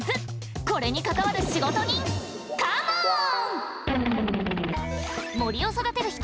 これにかかわる仕事人カモン！